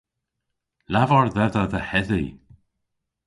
Lavar dhedha dhe hedhi.